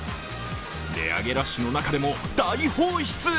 値上げラッシュの中でも大放出。